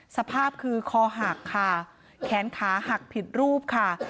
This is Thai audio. สภาพคือคอหักค่ะแขนขาหักผิดรูปค่ะ